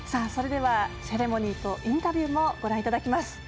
セレモニーとインタビューもご覧いただきます。